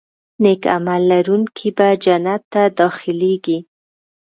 نیک عمل لرونکي به جنت ته داخلېږي.